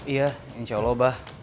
iya insya allah abah